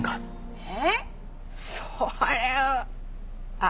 えっ？